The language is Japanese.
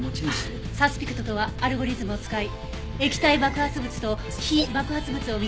サスピクトとはアルゴリズムを使い液体爆発物と非爆発物を見極める画像解析ソフトです。